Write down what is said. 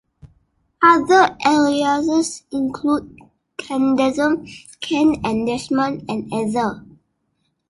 Other aliases include Kendesm, Ken and Desmond, and Ether.